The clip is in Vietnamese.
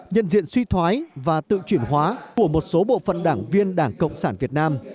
nhận diện suy thoái và tự chuyển hóa của một số bộ phận đảng viên đảng cộng sản việt nam